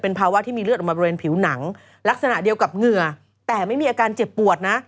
ภาวะที่มีเลือดออกมาบริเวณผิวหนังลักษณะเดียวกับเหงื่อแต่ไม่มีอาการเจ็บปวดนะ